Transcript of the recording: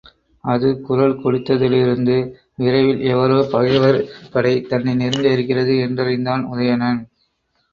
அது குரல் கொடுத்ததிலிருந்து விரைவில் எவரோ பகைவர் படை தன்னை நெருங்க இருக்கிறது என்றறிந்தான் உதயணன்.